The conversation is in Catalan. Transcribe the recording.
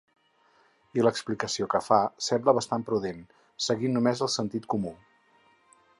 I l’explicació que fa sembla bastant prudent, seguint només el sentit comú.